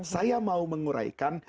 saya mau menguraikan